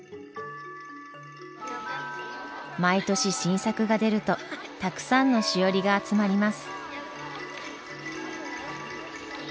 毎年新作が出るとたくさんのしおりが集まります。